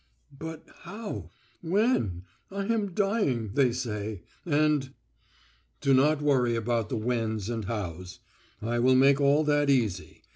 "But how? When? I am dying, they say, and——" "Do not worry about the whens and hows. I will make all that easy.